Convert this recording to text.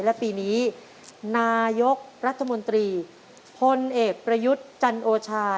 และปีนี้นายกรัฐมนตรีพลเอกประยุทธ์จันโอชา